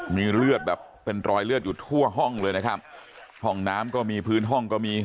มีเลือดแบบเป็นรอยเลือดอยู่ทั่วห้องเลยนะครับห้องน้ำก็มีพื้นห้องก็มี